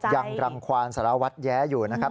ยังรังความสารวัตรแย้อยู่นะครับ